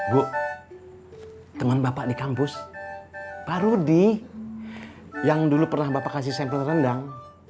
bu teman bapak di kampus pak rudi yang dulu pernah bapak kasih sampel rendang